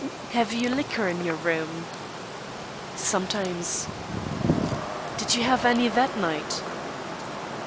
"Have you liquor in your room?" "Sometimes." "Did you have any that night?"